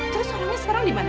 terus orangnya sekarang di mana